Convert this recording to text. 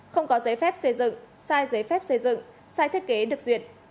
không có giấy phép xây dựng sai giấy phép xây dựng sai thiết kế được duyệt